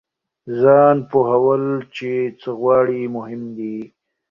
ځان پوهول چې څه غواړئ مهم دی.